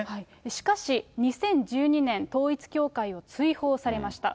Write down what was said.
しかし、２０１２年、統一教会を追放されました。